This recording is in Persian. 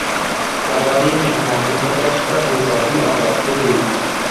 برای مهمانی خودش را حسابی آراسته بود.